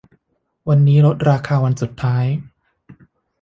วันนี้ลดราคาวันสุดท้าย